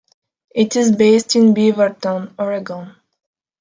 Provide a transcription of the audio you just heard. It is based in Beaverton, Oregon.